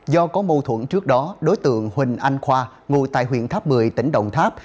do có mâu thuẫn trước đó đối tượng huỳnh anh khoa ngồi tại huyện tháp một mươi tỉnh đồng tháp